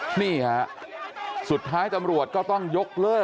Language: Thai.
กลับไปลองกลับ